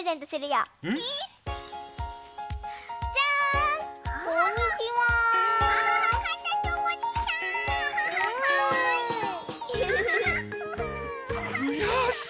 よし！